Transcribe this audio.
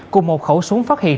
cùng một khẩu súng phát hiện